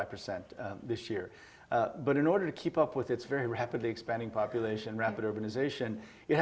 pendidikan kesehatan dan perlindungan sosial